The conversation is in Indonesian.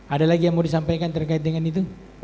ada lagi yang mau disampaikan terkait dengan itu